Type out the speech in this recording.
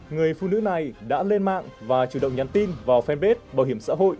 người phụ nữ này đã lên mạng và chủ động nhắn tin vào fanpage bảo hiểm xã hội